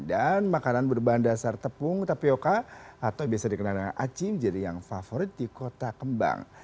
dan makanan berbahan dasar tepung tapioca atau biasa dikenal dengan acim jadi yang favorit di kota kembang